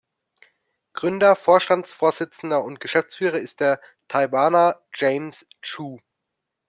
Gründer, Vorstandsvorsitzender und Geschäftsführer ist der Taiwaner James Chu.